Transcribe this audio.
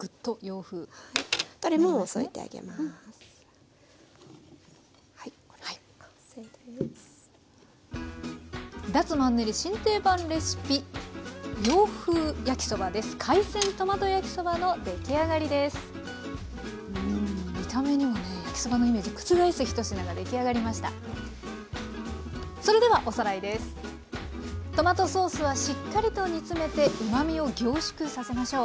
トマトソースはしっかりと煮詰めてうまみを凝縮させましょう。